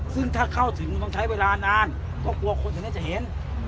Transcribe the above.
ซึ่งถ้าเข้าถึงต้องใช้เวลานานก็กลัวคนแถวนั้นจะเห็น